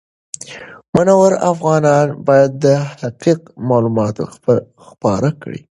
منور افغانان باید دقیق معلومات خپاره کړي.